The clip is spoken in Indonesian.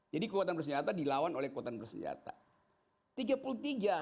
jadi kekuatan bersenjata dilawan oleh kekuatan bersenjata